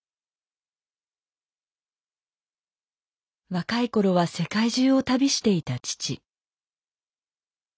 若い頃は世界中を旅していた父。